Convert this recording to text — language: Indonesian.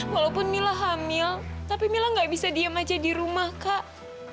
walaupun mila hamil tapi mila gak bisa diem aja di rumah kak